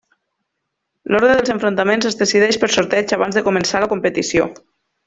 L'ordre dels enfrontaments es decidix per sorteig abans de començar la competició.